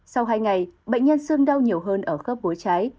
sau hai ngày bệnh nhân xương đau nhiều hơn ở khớp gối trái